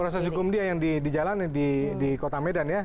proses hukum dia yang dijalani di kota medan ya